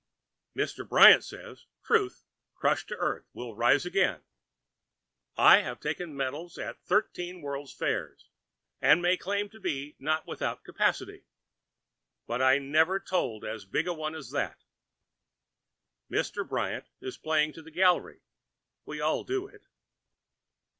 Mr. Bryant said, 'Truth crushed to earth will rise again.' I have taken medals at thirteen world's fairs, and may claim to be not without capacity, but I never told as big a one as that. Mr. Bryant was playing to the gallery; we all do it.